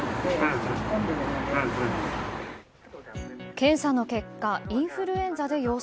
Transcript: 検査の結果インフルエンザで陽性。